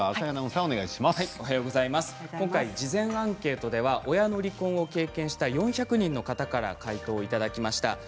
今回、事前アンケートでは親の離婚を経験した４００人の方から回答をいただきました。